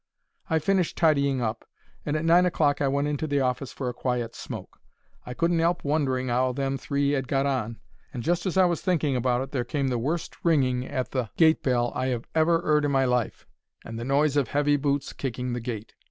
I finished tidying up, and at nine o'clock I went into the office for a quiet smoke. I couldn't 'elp wondering 'ow them three 'ad got on, and just as I was thinking about it there came the worst ringing at the gate bell I 'ave ever 'eard in my life, and the noise of heavy boots kicking the gate.